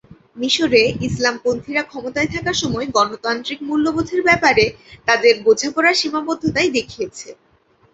মিসরে ইসলামপন্থীরা ক্ষমতায় থাকার সময় গণতান্ত্রিক মূল্যবোধের ব্যাপারে তাদের বোঝাপড়ার সীমাবদ্ধতাই দেখিয়েছে।